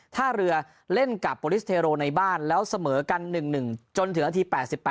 ถ้าเรือเล่นกับโปรลิสเทโรในบ้านแล้วเสมอกัน๑๑จนถึงนาที๘๘